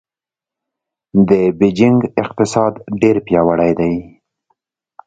د بېجینګ اقتصاد ډېر پیاوړی دی.